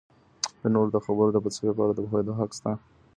د نورو د خبرو د فلسفې په اړه د پوهیدو حق سته.